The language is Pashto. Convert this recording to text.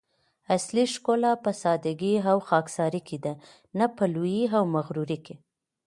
اصلي ښکلا په سادګي او خاکساري کی ده؛ نه په لويي او مغروري کي